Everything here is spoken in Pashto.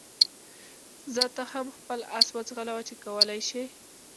ځه ته هم خپل اس وځغلوه چې څه کولای شې.